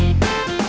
ya itu dia